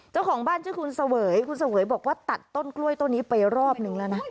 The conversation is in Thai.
เจ้าของบ้านชื่อคุณเสวยคุณเสวยบอกว่าตัดต้นกล้วยต้นนี้ไปรอบนึงแล้วนะ